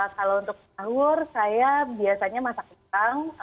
kalau untuk sahur saya biasanya masak pisang